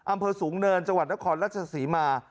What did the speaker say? อำเภอสูงเนินจังหวัดนครราชศรีมา